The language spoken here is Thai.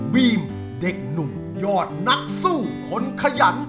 บีมเด็กหนุ่มยอดนักสู้คนขยัน